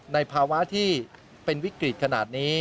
ในภาวะที่เป็นวิกฤตขนาดนี้